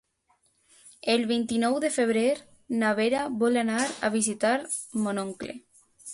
El vint-i-nou de febrer na Vera vol anar a visitar mon oncle.